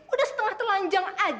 udah setengah telanjang aja masih belagu